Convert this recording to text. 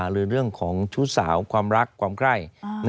หรือเรื่องของชู้สาวความรักความใกล้